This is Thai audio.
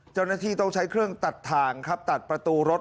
เจ้าหน้าที่ต้องใช้เครื่องตัดทางครับตัดประตูรถ